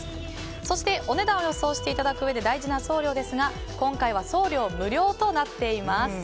そして、お値段を予想していただくうえで大事な送料ですが今回は送料無料となっています。